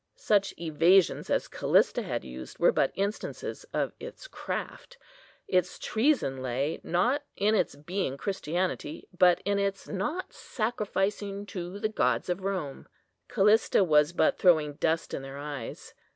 Such evasions as Callista had used were but instances of its craft. Its treason lay, not in its being Christianity, but in its not sacrificing to the gods of Rome. Callista was but throwing dust in their eyes.